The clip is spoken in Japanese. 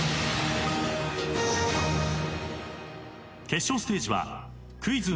決勝ステージはクイズ